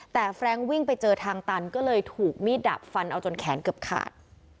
แต่แฟรงค์วิ่งไปเจอทางตันก็เลยถูกมีดดับฟันเอาจนแขนเกือบขาด